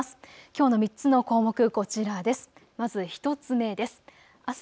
きょうの３つの項目こちらです。